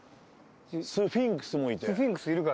スフィンクスもいて。